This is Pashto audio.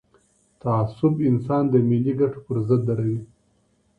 تعصب انسان د ملي ګټو پر ضد دروي.